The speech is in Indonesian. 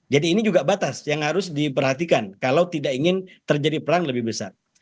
jadi ini juga batas yang harus diperhatikan kalau tidak ingin terjadi perang lebih besar